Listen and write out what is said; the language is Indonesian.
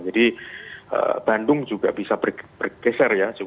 jadi bandung juga bisa bergeser ya